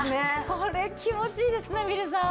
これ気持ちいいですねみれさん。